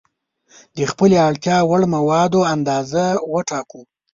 د خپلې اړتیا وړ موادو اندازه وټاکو.